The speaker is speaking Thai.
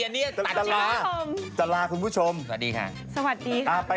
นี่มึงว่าชมทั้งนี้มากสิ